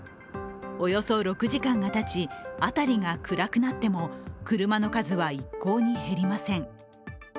およそ６時間がたち、辺りが暗くなっても車の数は一向に減りません。